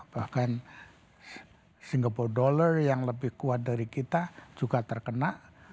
bahkan singable dollar yang lebih kuat dari kita juga terkena